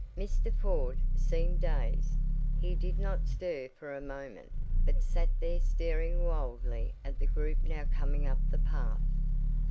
Mr. Ford seemed dazed he did not stir for a moment but sat there staring wildly at the group now coming up the path.